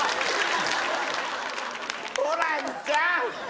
ホランちゃん！